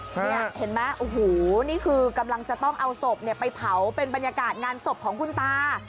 เห็นไหมโอ้โหนี่คือกำลังจะต้องเอาศพไปเผาเป็นบรรยากาศงานศพของคุณตา